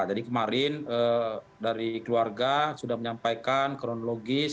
jadi kemarin dari keluarga sudah menyampaikan kronologis